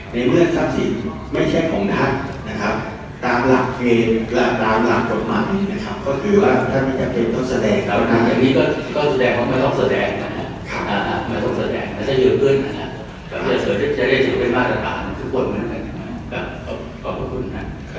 ในเรือนทรัพย์สิทธิ์แสดงไม่ใช่ของท่านนะครับตามหลักเมีย